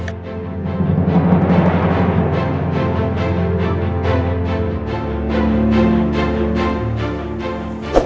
mas makan yuk